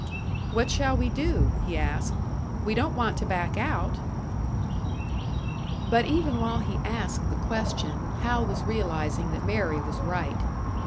"What shall we do?" he asked. "We don't want to back out." But even while he asked the question, Hal was realising that Mary was right.